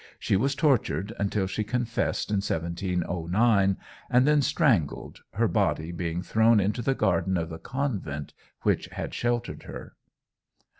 She was tortured until she confessed in 1709, and then strangled, her body being thrown into the garden of the convent which had sheltered her.